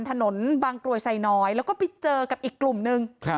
บางกรวยไซน้อยแล้วก็ไปเจอกับอีกกลุ่มนึง